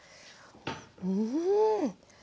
うん。